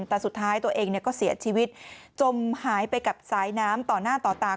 แต่สุดท้ายตัวเองก็เสียชีวิตจมหายไปกับสายน้ำต่อหน้าต่อตา